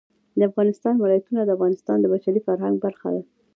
د افغانستان ولايتونه د افغانستان د بشري فرهنګ برخه ده.